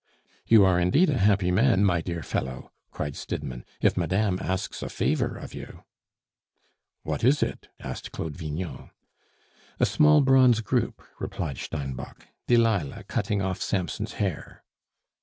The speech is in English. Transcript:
"You are indeed a happy man, my dear fellow," cried Stidmann, "if madame asks a favor of you!" "What is it?" asked Claude Vignon. "A small bronze group," replied Steinbock, "Delilah cutting off Samson's hair."